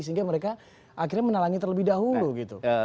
sehingga mereka akhirnya menalangi terlebih dahulu gitu